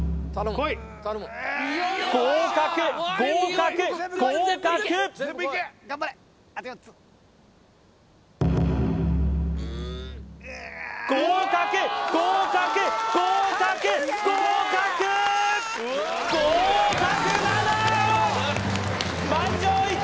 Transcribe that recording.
合格合格合格合格合格合格合格合格７！